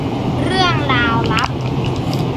เรื่องราวลับ